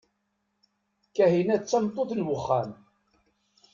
Kahina d tameṭṭut n uxxam.